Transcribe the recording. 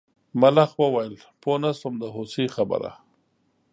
ملخ وویل پوه نه شوم د هوسۍ خبره.